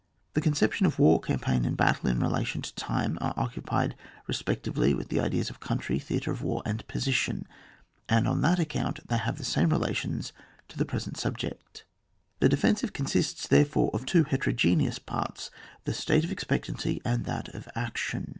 The conception of war, campaign, and battle, in relation to time, are coupled respectively with the ideas of coimtry, theatre of war, and position, and on that account they have the same relations to the present subject. The defensive consists, therefore, of two heterogeneous parts, the state of ex peistancy and that of action.